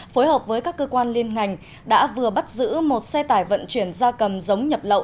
phối hợp với các cơ quan liên ngành đã vừa bắt giữ một xe tải vận chuyển gia cầm giống nhập lậu